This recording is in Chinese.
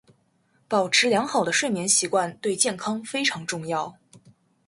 保持良好的睡眠习惯对健康非常重要。